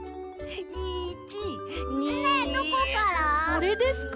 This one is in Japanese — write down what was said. あれですか？